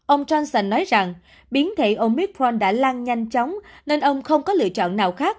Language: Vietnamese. ông johnson nói rằng biến thể omicron đã lan nhanh chóng nên ông không có lựa chọn nào khác